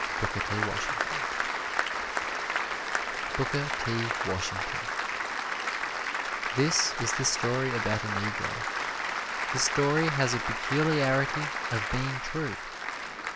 Booker T. Washington BOOKER T. WASHINGTON This is a story about a Negro. The story has the peculiarity of being true.